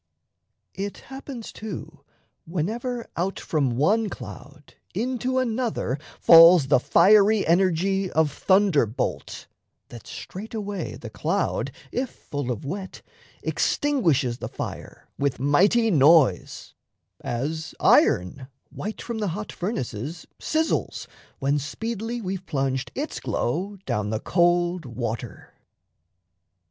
It happens, too, whenever Out from one cloud into another falls The fiery energy of thunderbolt, That straightaway the cloud, if full of wet, Extinguishes the fire with mighty noise; As iron, white from the hot furnaces, Sizzles, when speedily we've plunged its glow Down the cold water.